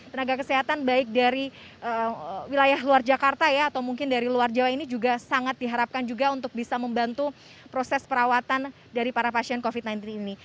tenaga kesehatan baik dari wilayah luar jakarta ya atau mungkin dari luar jawa ini juga sangat diharapkan juga untuk bisa membantu proses perawatan dari para pasien covid sembilan belas ini